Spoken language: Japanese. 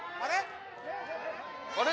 ・あれ？